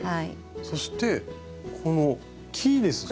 そしてこの木ですか？